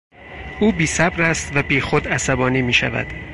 او بیصبر است و بیخود عصبانی میشود.